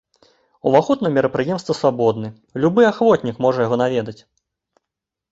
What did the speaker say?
Уваход на мерапрыемства свабодны, любы ахвотнік можа яго наведаць.